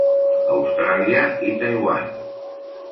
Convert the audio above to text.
Austràlia i Taiwan.